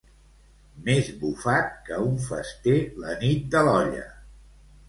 Més bufat que un fester la nit de l'olla.